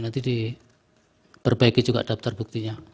nanti diperbaiki juga daftar buktinya